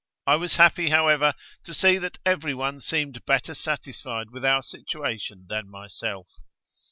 I was happy, however, to see that every one seemed better satisfied with our situation than myself.